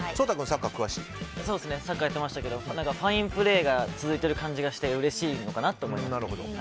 サッカーやっていましたけどファインプレーが続いている感じがしてうれしいのかなと思いました。